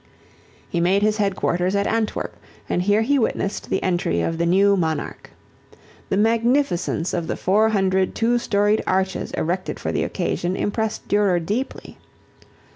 He made his headquarters at Antwerp and here he witnessed the entry of the new monarch. The magnificence of the four hundred two storied arches erected for the occasion impressed Durer deeply.